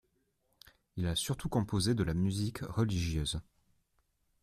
Il a surtout composé de la musique religieuse.